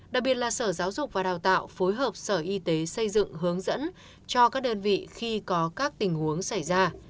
đặc biệt là sở giáo dục và đào tạo phối hợp sở y tế xây dựng hướng dẫn cho các đơn vị khi có các tình huống xảy ra